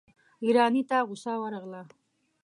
ايراني ته غصه ورغله.